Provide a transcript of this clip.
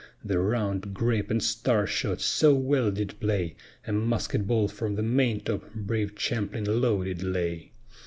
The round, grape, and star shot so well did play, A musket ball from the maintop brave Champlin low did lay.